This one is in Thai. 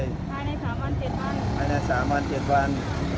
ฆ่าในสามวันเจ็ดวัน